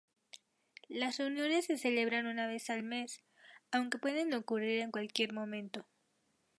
Las reuniones se celebran una vez al mes, aunque pueden ocurrir en cualquier momento.